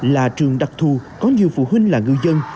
là trường đặc thù có nhiều phụ huynh là ngư dân